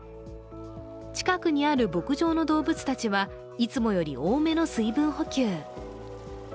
近くにある牧場の動物たちはいつもより多めの水分補給。